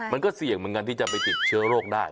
มันก็เสี่ยงเหมือนกันที่จะไปติดเชื้อโรคได้